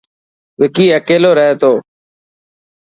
وڪي اڪيلو رهي تو.